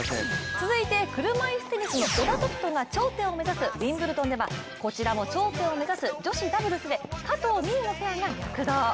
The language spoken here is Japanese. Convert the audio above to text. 続いて車いすテニスの小田凱人が頂点を目指すウィンブルドンではこちらも頂点を目指す女子ダブルスで加藤未唯のペアが躍動。